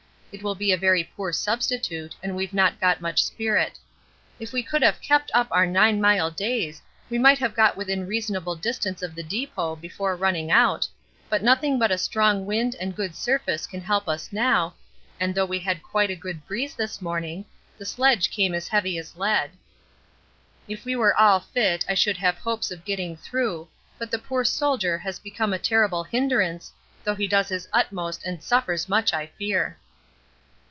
It will be a very poor substitute and we've not got much spirit. If we could have kept up our 9 mile days we might have got within reasonable distance of the depot before running out, but nothing but a strong wind and good surface can help us now, and though we had quite a good breeze this morning, the sledge came as heavy as lead. If we were all fit I should have hopes of getting through, but the poor Soldier has become a terrible hindrance, though he does his utmost and suffers much I fear.